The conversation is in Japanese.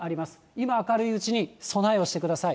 今明るいうちに備えをしてください。